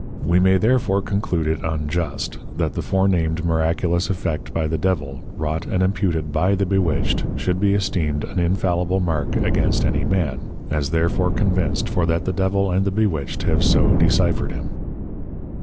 We may therefore conclude it unjust, that the forenamed miraculous Effect by the Devil wrought and imputed by the Bewitched, should be esteemed an infallible mark against any Man, as therefore convinced for that the Devil and the Bewitched have so decyphered him!'